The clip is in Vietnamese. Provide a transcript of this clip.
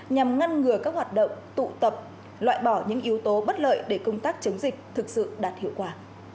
nhằm ngăn ngừa các hoạt động tụ tập loại bỏ những yếu tố bất lợi để công tác chống dịch thực sự đạt hiệu quả